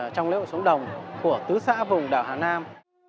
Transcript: trong lễ hội xuống đồng của tứ xã vùng đảo hà nam